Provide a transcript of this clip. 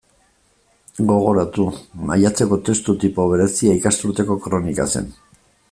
Gogoratu; maiatzeko testu tipo berezia ikasturteko kronika zen.